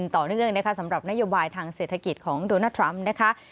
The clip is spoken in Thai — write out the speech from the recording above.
ต่อเนื่องนะคะสำหรับนโยบายทางเศรษฐกิจของโดนัลดทรัมป์นะคะ